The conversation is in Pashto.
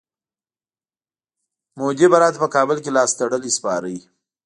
مودي به راته په کابل کي لاستړلی سپارئ.